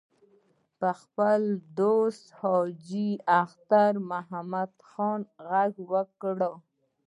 پر خپل دوست حاجي اختر محمد خان غږ وکړ.